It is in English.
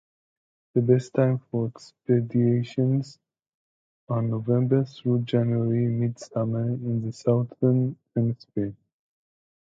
The best time for expeditions are November through January, mid-summer in the Southern Hemisphere.